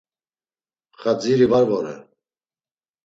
Xadziri var vore.